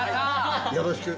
よろしく。